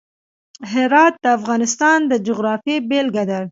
هرات د افغانستان د جغرافیې بېلګه ده.